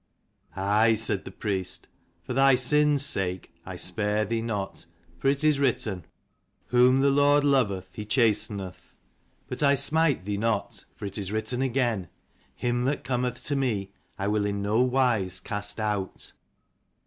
"Aye," said the priest, "for thy sin's sake. I spare thee not, for it is written, Whom the Lord loveth he chasteneth. But I smite thee not, for it is written again, Him that cometh to me I will in no wise cast out."